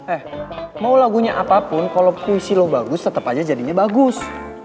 eh mau lagunya apapun kalo puisi lu bagus tetep aja jadinya bagus